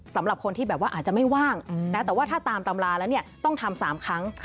สำหรับคนที่อาจจะไม่ว่างแต่ถ้าตามตำราแล้วต้องทำ๓ครั้ง